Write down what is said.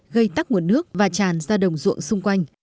gây tắc nguồn nước và tràn ra đồng ruộng xung quanh